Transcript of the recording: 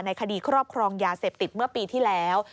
คดีครอบครองยาเสพติดเมื่อปีที่แล้ว